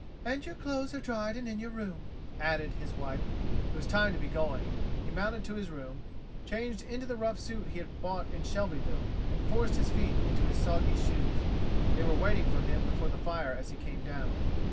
"And your clothes are dried and in your room," added his wife. It was time to be going. He mounted to his room, changed into the rough suit he had bought in Shelbyville, and forced his feet into his soggy shoes. They were waiting for him before the fire as he came down.